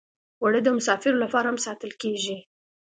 اوړه د مسافرو لپاره هم ساتل کېږي